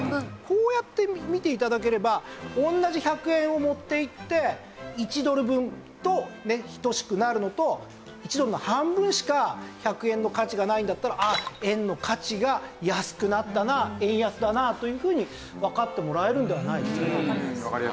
こうやって見て頂ければ同じ１００円を持って行って１ドル分と等しくなるのと１ドルの半分しか１００円の価値がないんだったら円の価値が安くなったな円安だなというふうにわかってもらえるのではないですか？